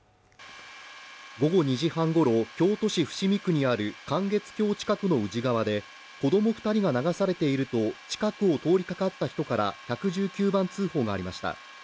午後２時半ごろ、京都市伏見区にある観月橋近くの宇治川で、子供２人が流されていると近くを通りかかった人から１１９番通報がありました。